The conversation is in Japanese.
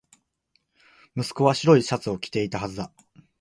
息子は白いシャツを着ていたはずだ